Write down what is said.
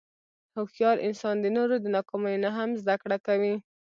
هوښیار انسان د نورو د ناکامیو نه هم زدهکړه کوي.